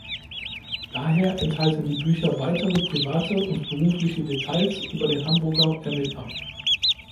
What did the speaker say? Daher enthalten die Bücher weitere private und berufliche Details über den Hamburger Ermittler.